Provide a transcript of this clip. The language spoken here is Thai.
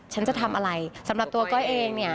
ฉันจะทำอะไรสำหรับตัวก้อยเองเนี่ย